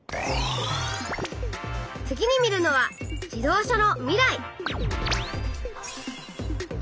次に見るのは「自動車の未来」。